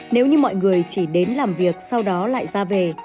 nếu như mọi người chỉ đến làm việc sau đó lại ra về